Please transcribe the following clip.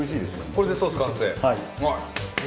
これでソース完成。